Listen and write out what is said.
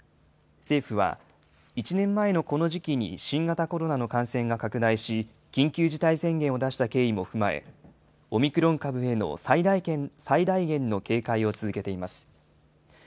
政府は、１年前のこの時期に新型コロナの感染が拡大し、緊急事態宣言を出した経緯も踏まえ、オミクロン株への最大限の警戒を続けています。